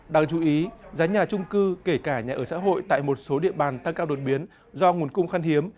đáng chú ý giá nhà trung cư kể cả nhà ở xã hội tại một số địa bàn tăng cao đột biến do nguồn cung khăn hiếm